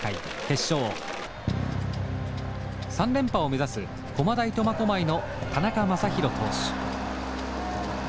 ３連覇を目指す駒大苫小牧の田中将大投手。